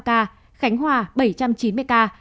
khánh hòa bảy trăm chín mươi ca